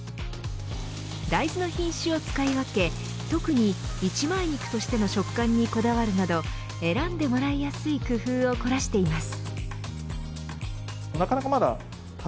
大豆の品種を使い分け特に一枚肉としての食感にこだわるなど選んでもらいやすい工夫を凝らしています。